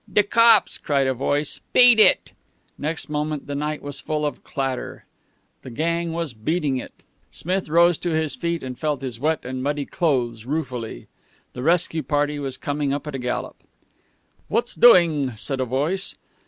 "De cops!" cried a voice. "Beat it!" Next moment the night was full of clatter. The gang was "beating it." Smith rose to his feet and felt his wet and muddy clothes ruefully. The rescue party was coming up at the gallop. "What's doing?" asked a voice.